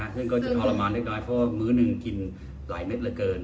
ซึ่งก็จะทรมานเล็กน้อยเพราะว่ามื้อหนึ่งกินหลายเม็ดเหลือเกิน